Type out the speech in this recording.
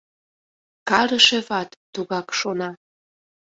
Карышеват тугак шона.